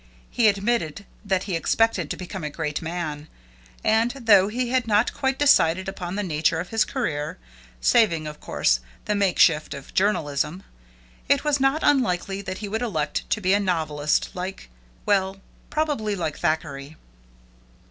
He admitted that he expected to become a great man, and, though he had not quite decided upon the nature of his career, saving, of course, the makeshift of journalism, it was not unlikely that he would elect to be a novelist like well, probably like Thackeray.